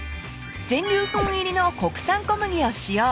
［全粒粉入りの国産小麦を使用］